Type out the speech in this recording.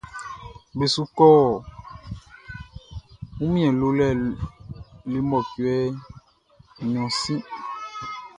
Be su kɔ wunmiɛn lolɛ le mɔcuɛ nɲɔn sin.